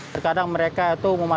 terkadang mereka itu memandang